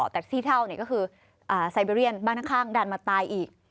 แต่ซี่เท่าก็คือไซเบเรียนบ้านข้างดันมาตายอีก